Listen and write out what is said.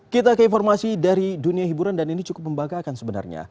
kita ke informasi dari dunia hiburan dan ini cukup membanggakan sebenarnya